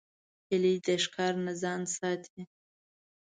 هیلۍ د ښکار نه ځان ساتي